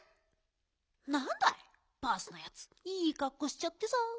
なんだいバースのやついいかっこしちゃってさ。